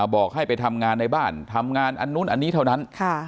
บอกให้ไปทำงานในบ้านทำงานอันนู้นอันนี้เท่านั้น